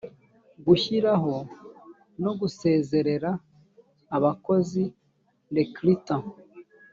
gushyiraho no gusezerera abakozi recruter